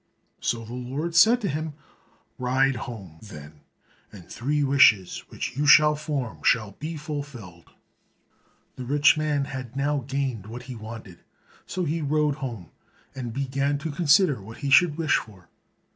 So the Lord said to him, "Ride home, then, and three wishes which you shall form, shall be fulfilled." The rich man had now gained what he wanted, so he rode home, and began to consider what he should wish for.